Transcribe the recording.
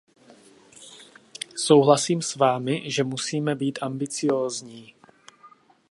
Souhlasím s vámi, že musíme být ambiciózní.